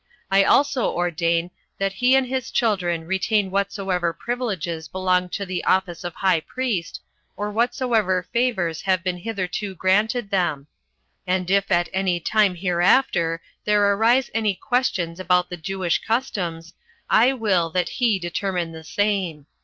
I also ordain that he and his children retain whatsoever privileges belong to the office of high priest, or whatsoever favors have been hitherto granted them; and if at any time hereafter there arise any questions about the Jewish customs, I will that he determine the same.